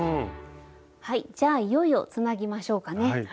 はいじゃあいよいよつなぎましょうかね。